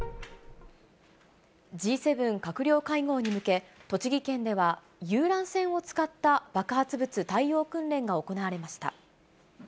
Ｇ７閣僚会合に向け、栃木県では、遊覧船を使った爆発物対応訓練が行われました。